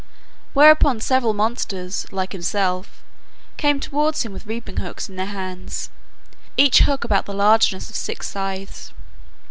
Whereupon seven monsters, like himself, came towards him with reaping hooks in their hands, each hook about the largeness of six scythes.